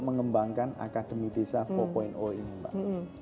mengembangkan akademi desa empat ini mbak